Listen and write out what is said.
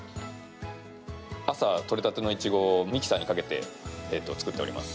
朝、取れたてのイチゴをミキサーにかけて作っております。